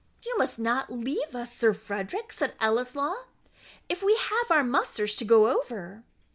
"You must not leave us, Sir Frederick," said Ellieslaw; "if we have our musters to go over."